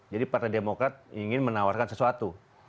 jadi partai demokrat ingin menawarkan sesuatu